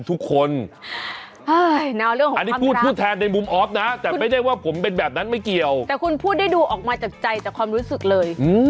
แต่คุณพูดได้ดูออกมาจากใจจากความรู้สึกเลย